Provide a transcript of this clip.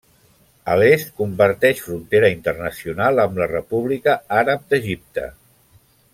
A l'est comparteix frontera internacional amb la República Àrab d'Egipte.